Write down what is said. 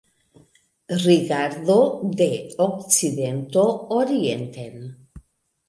Rigardo de okcidento orienten.